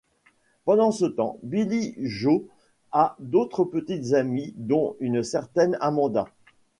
Pendant ce temps, Billie Joe a d'autres petites amies, dont une certaine Amanda.